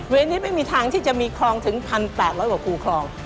นี้ไม่มีทางที่จะมีคลองถึง๑๘๐๐กว่าคู่คลอง